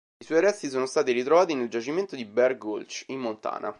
I suoi resti sono stati ritrovati nel giacimento di Bear Gulch, in Montana.